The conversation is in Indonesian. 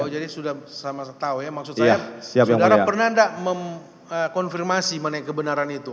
oh jadi sudah sama sama tahu ya maksud saya saudara pernah tidak mengkonfirmasi mengenai kebenaran itu